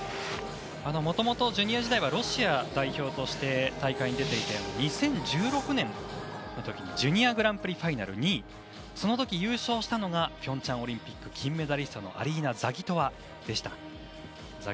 もともとジュニア時代はロシア代表として大会に出ていて２０１６年にジュニアグランプリファイナル２位そのとき優勝したのが平昌オリンピック金メダリストのアリーナ・ザギトワでした。